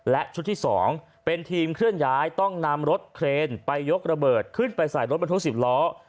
และชุดที่๒เป็นทีมเคลื่อนย้ายต้องนำรถเครนไปยกระเบิดขึ้นไปใส่รถบรรทุก๑๐ล้อ